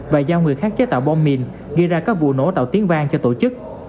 và giao người khác chế tạo bom mìn gây ra các vụ nổ tạo tiếng vang cho tổ chức